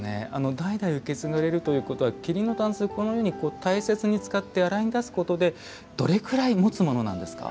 代々受け継がれるということは桐のたんす、このように大切に使って洗いに出すことでどれくらいもつものなんですか。